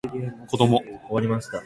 こども